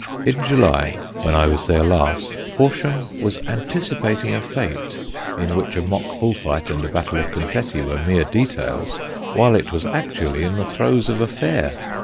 In July, when I was there last, Horsham was anticipating a fête, in which a mock bull fight and a battle of confetti were mere details; while it was actually in the throes of a fair.